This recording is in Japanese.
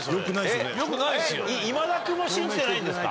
今田君も信じてないんですか？